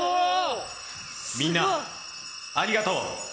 みんなありがとう。